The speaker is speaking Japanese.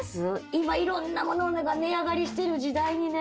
今色んなものが値上がりしてる時代にね